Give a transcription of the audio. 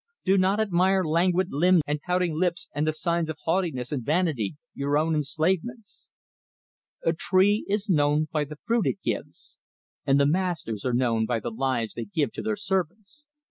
Do not admire languid limbs and pouting lips and the signs of haughtiness and vanity, your own enslavements. "A tree is known by the fruit it gives; and the masters are known by the lives they give to their servants.